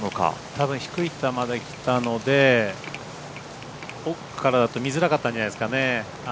たぶん低い球できたので奥からだと見づらかったんじゃないですかね。